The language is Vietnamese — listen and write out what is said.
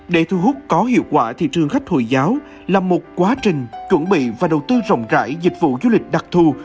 để thu hút có hiệu quả thị trường khách hồi giáo là một quá trình chuẩn bị và đầu tư rộng rãi dịch vụ du lịch đặc thù